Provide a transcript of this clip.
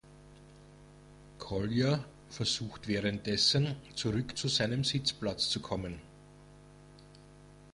Kolya versucht währenddessen, zurück zu seinem Sitzplatz zu kommen.